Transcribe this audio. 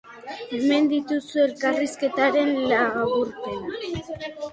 Hemen dituzu elkarrizketaren laburpena.